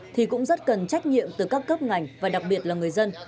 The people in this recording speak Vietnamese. thì cũng rất cần trách nhiệm từ các cấp ngành và đặc biệt là người dân